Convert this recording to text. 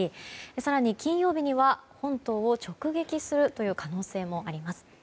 更に金曜日には、本島を直撃する可能性もあります。